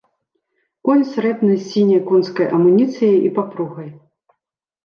Конь срэбны з сіняй конскай амуніцыяй і папругай.